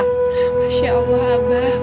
masya allah abah